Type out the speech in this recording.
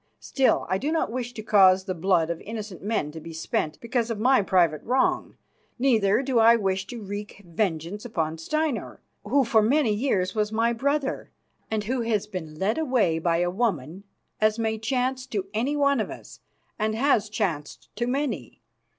Still, I do not wish to cause the blood of innocent men to be spent because of my private wrong. Neither do I wish to wreak vengeance upon Steinar, who for many years was my brother, and who has been led away by a woman, as may chance to any one of us and has chanced to many.